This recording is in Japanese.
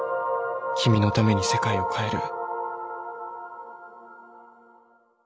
君のために世界を変える。